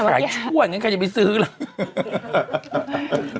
ขายได้ไหมเนี่ยเมื่อกี้